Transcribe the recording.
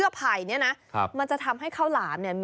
แต่ว่าก่อนอื่นเราต้องปรุงรสให้เสร็จเรียบร้อย